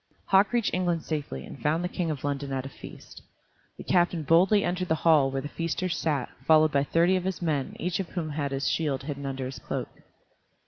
Hauk reached England safely, and found the King in London at a feast. The captain boldly entered the hall where the feasters sat, followed by thirty of his men, each one of whom had his shield hidden under his cloak.